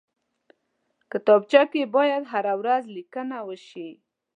کتابچه کې باید هره ورځ لیکنه وشي